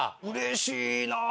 うれしいな。